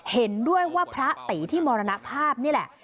เห็นด้วยว่าพระตีที่มรณภาพนี่แหละ